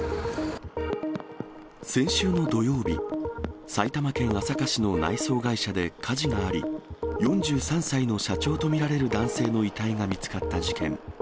先週の土曜日、埼玉県朝霞市の内装会社で火事があり、４３歳の社長と見られる男性の遺体が見つかった事件。